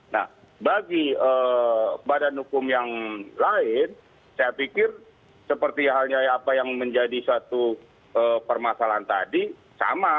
nah bagi badan hukum yang lain saya pikir seperti halnya apa yang menjadi satu permasalahan tadi sama